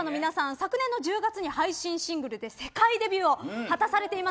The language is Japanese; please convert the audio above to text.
昨年の１０月に配信シングルで世界デビューを果たされています。